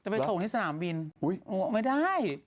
ไปถูกไปที่สนามบิน